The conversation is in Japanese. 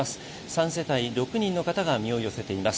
３世帯、６人の方が身を寄せています。